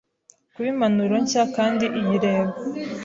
Kuba impanuro nshya kandi iyi reba